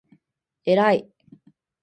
えらい